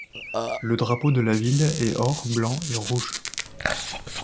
Le drapeau de la ville est or, blanc et rouge.